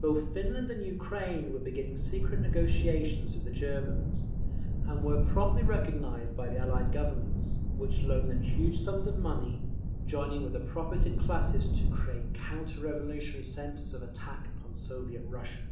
Both Finland and Ukraine were beginning secret negotiations with the Germans, and were promptly recognised by the Allied Governments, which loaned them huge sums of money, joining with the propertied classes to create counter revolutionary centres of attack upon Soviet Russia.